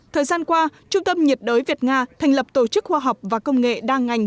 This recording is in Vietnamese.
thời gian qua trung tâm nhiệt đới việt nga thành lập tổ chức khoa học và công nghệ đa ngành